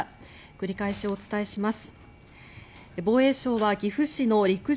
繰り返しお伝えします。